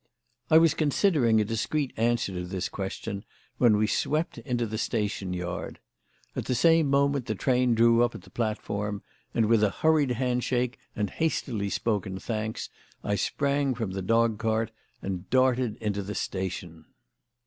I was considering a discreet answer to this question when we swept into the station yard. At the same moment the train drew up at the platform, and, with a hurried hand shake and hastily spoken thanks, I sprang from the dog cart and darted into the station.